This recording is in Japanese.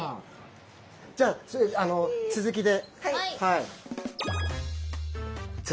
じゃあ次続きで。